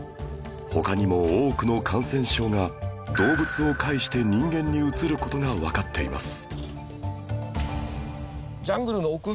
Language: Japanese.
他にも多くの感染症が動物を介して人間にうつる事がわかっています